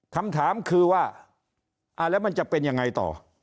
คำถามคือว่าแล้วมันจะเป็นยังไงต่อ